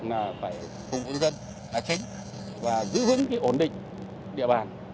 là phải phục vụ nhân dân là chính và giữ vững cái ổn định địa bàn